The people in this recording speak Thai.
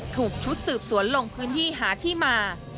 ถูกชุดสืบสวนลงพื้นที่หาที่มา